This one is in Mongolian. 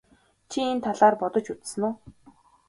Чи энэ талаар бодож үзсэн үү?